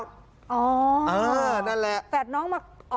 อ๋อแฝดน้องมา